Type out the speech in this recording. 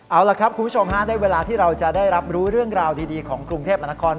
เอาล่ะครับคุณผู้ชมฮะในเวลาที่เราจะได้รับรู้เรื่องราวดีของกรุงเทพมนาคม